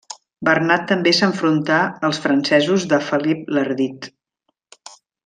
Bernat també s'enfrontà als francesos de Felip l'Ardit.